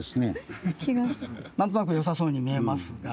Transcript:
なんとなくよさそうに見えますが。